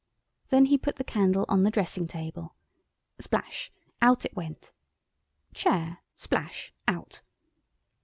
Then he put the candle on the dressing table—splash—out it went. Chair. Splash! Out!